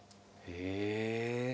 へえ。